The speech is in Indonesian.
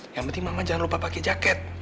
yang penting mama jangan lupa pakai jaket